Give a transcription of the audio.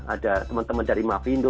ada teman teman dari mavindo